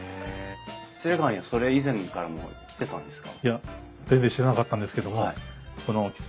喜連川にはそれ以前からも来てたんですか？